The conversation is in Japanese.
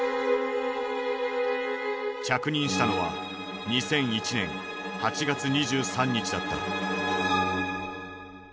着任したのは２００１年８月２３日だった。